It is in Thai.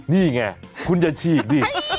นี่ไงคุณอย่าฉีกดิ